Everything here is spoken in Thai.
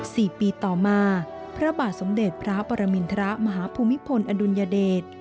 สี่ปีต่อมาพระบาทสมเด็จพระปรมินทรมาฮภูมิพลอดุลยเดช